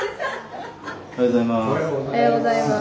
おはようございます。